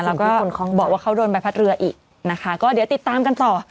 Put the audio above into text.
แล้วก็คนของบอกว่าเขาโดนใบพัดเรืออีกนะคะก็เดี๋ยวติดตามกันต่อ